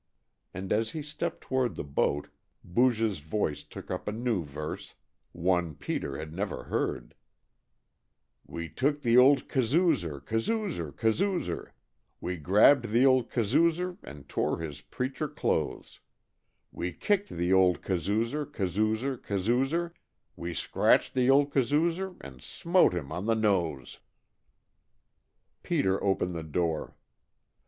And as he stepped toward the boat Booge's voice took up a new verse; one Peter had never heard: We took the old kazoozer, kazoozer, kazoozer, We grabbed the old kazoozer and tore his preacher clothes; We kicked the old ka boozer, ka doozer, ka hoozer, We scratched the old ka roozer and smote him on the n o s e! Peter opened the door.